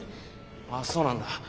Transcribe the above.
ああそうなんだ。